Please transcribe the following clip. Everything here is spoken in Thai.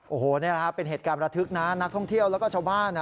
โอ้โหเป็นเหตุการณ์ระทึกนะนักท่องเที่ยวแล้วก็ชาวบ้าน